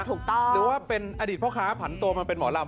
หรือว่าเป็นอดีตพ่อค้าผันตัวมาเป็นหมอลำ